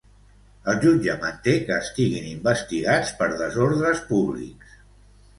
El jutge manté que estiguin investigats per desordres públics.